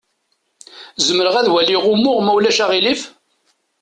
Zemreɣ ad waliɣ umuɣ, ma ulac aɣilif?